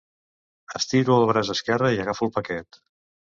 Estiro el braç esquerre i agafo el paquet.